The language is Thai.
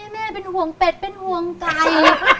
แม่เป็นห่วงเป็ดเป็นห่วงไก่